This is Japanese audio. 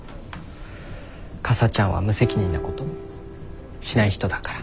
かさちゃんは無責任なことしない人だから。